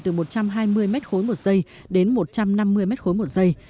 từ một trăm hai mươi m ba một giây đến một trăm năm mươi m ba một giây